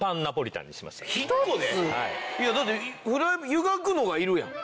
いやだって湯がくのがいるやん。